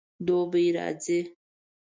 دوبی راځي